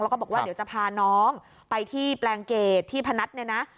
แล้วก็บอกว่าเดี๋ยวจะพาน้องไปที่แปลงเกตที่พนัทเนี่ยนะ